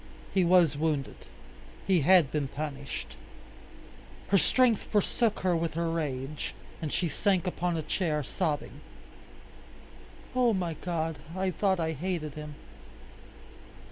He was wounded. He had been punished. Her strength forsook her with her rage, and she sank upon a chair, sobbing, "Oh! my God, I thought I hated him!"